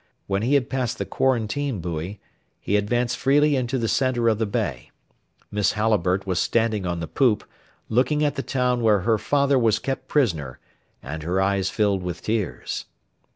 When he had passed the quarantine buoy, he advanced freely into the centre of the bay. Miss Halliburtt was standing on the poop, looking at the town where her father was kept prisoner, and her eyes filled with tears.